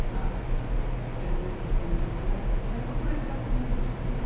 学生の皆さんの気持ちを考えるとつらいことですがというメッセージも。